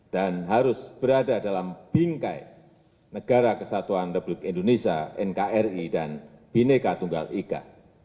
dan harus berada dalam bingkai negara kesatuan republik indonesia nkri dan bineca tunggal ika